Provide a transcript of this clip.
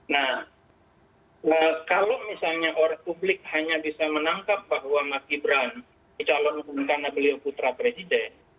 nah kalau misalnya orang publik hanya bisa menangkap bahwa mas gibran dicalonkan karena beliau putra presiden